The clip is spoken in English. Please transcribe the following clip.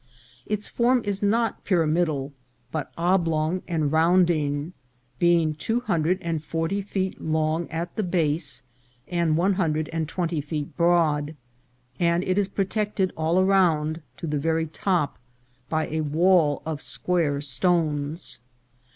Its form is not pyramidal, but oblong and rounding, being two hundred and forty feet long at the base, and one hundred and twenty broad, and it is protected all around, to the very top, by a wall of square stones.